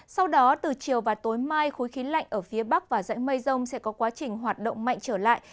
sau đó từ chiều và tối mai khối khí lạnh ở phía bắc và dãy mây rông sẽ có quá trình hoạt động mạnh trở lại